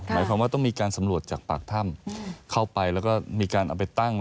หมายความว่าต้องมีการสำรวจจากปากถ้ำเข้าไปแล้วก็มีการเอาไปตั้ง